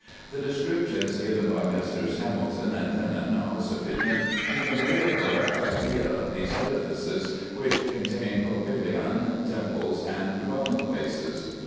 The descriptions given by Messrs. Hamilton and Denon are sufficient to convey a correct idea of these edifices, which contain propykea, temples, and dwelling places.